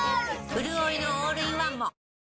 うるおいのオールインワンも！